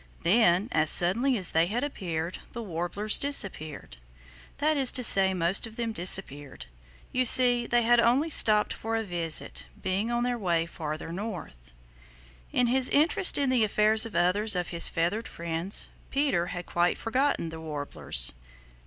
Then, as suddenly as they had appeared, the Warblers disappeared. That is to say, most of them disappeared. You see they had only stopped for a visit, being on their way farther north. In his interest in the affairs of others of his feathered friends, Peter had quite forgotten the Warblers.